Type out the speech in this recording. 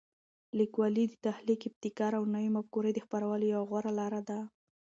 لیکوالی د تخلیق، ابتکار او نوي مفکورې د خپرولو یوه غوره لاره ده.